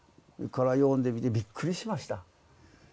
これは読んでみてびっくりしました。